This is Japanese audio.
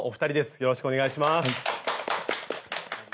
よろしくお願いします。